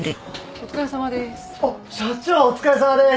お疲れさまです。です